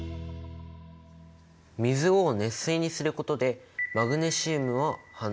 水を熱水にすることでマグネシウムは反応した。